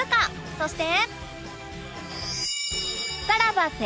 そして